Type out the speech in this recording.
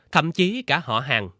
thậm chí cả họ hàng